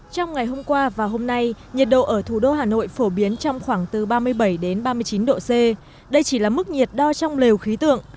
trong ngày hôm qua và hôm nay nhiệt độ ở thủ đô hà nội phổ biến trong khoảng từ ba mươi bảy ba mươi chín độ c đây chỉ là mức nhiệt đo trong lều khí tượng